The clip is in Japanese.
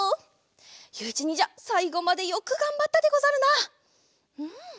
ゆういちにんじゃさいごまでよくがんばったでござるな。